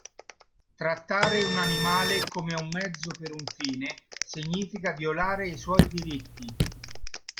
Trattare un animale come un mezzo per un fine significa violare i suoi diritti.